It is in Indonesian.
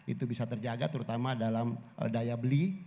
itu bisa terjaga terutama dalam daya beli